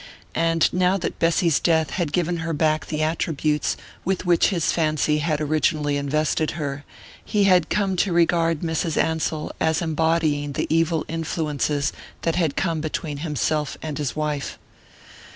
And now that Bessy's death had given her back the attributes with which his fancy had originally invested her, he had come to regard Mrs. Ansell as embodying the evil influences that had come between himself and his wife.